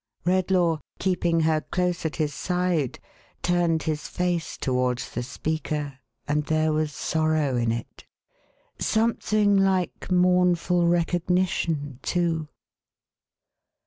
'1 Redlaw, keeping her close at his side, turned his face towards the speaker, and there was sorrow in it. Some thing like mournful recognition too.